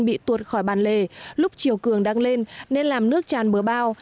bị tuột khỏi bàn lề lúc chiều cường đang lên nên làm nước tràn bờ bao